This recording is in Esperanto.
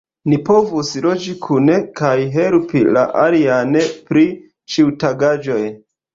Ni povus loĝi kune kaj helpi la alian pri ĉiutagaĵoj.